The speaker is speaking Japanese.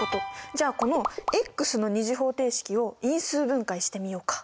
じゃあこのの２次方程式を因数分解してみようか。